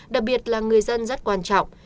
đặc biệt là người dân rất quan trọng